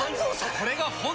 これが本当の。